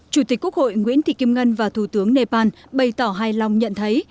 chủ tịch quốc hội nguyễn thị kim ngân và thủ tướng nepal bày tỏ hài lòng nhận thấy